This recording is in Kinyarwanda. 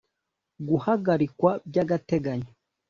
guhagarikwa by agateganyo